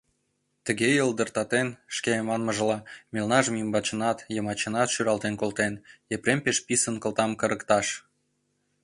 Тыге йылдыртатен, шке манмыжла, мелнажым ӱмбачынат, йымачынат шӱралтен колтен, Епрем пеш писын кылтам кырыкташ.